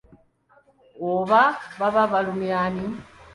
Oba baba balumya ani?